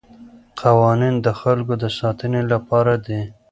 قوانین د خلګو د ساتنې لپاره دي.